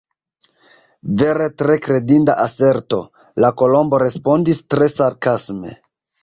"Vere tre kredinda aserto!" la Kolombo respondis tre sarkasme. "